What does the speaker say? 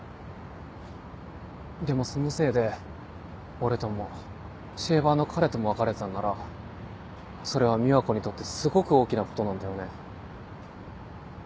でもそのせいで俺ともシェーバーの彼とも別れたんならそれは美和子にとってすごく大きなことなんだよね。